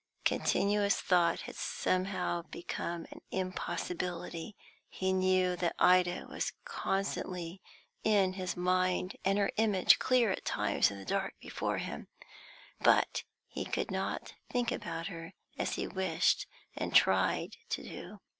Continuous thought had somehow become an impossibility; he knew that Ida was constantly in his mind, and her image clear at times in the dark before him, but he could not think about her as he wished and tried to do.